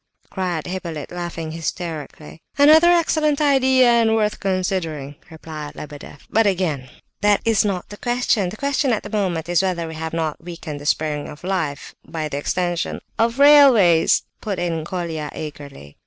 cried Hippolyte, laughing hysterically. "Another excellent idea, and worth considering!" replied Lebedeff. "But, again, that is not the question. The question at this moment is whether we have not weakened 'the springs of life' by the extension..." "Of railways?" put in Colia eagerly.